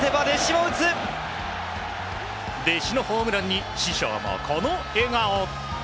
弟子のホームランに師匠もこの笑顔。